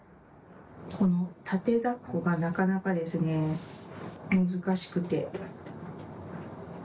この縦だっこがなかなかですね、難しくて。